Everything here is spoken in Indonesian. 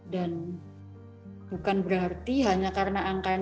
dan bukan berarti hanya karena angkanya kematian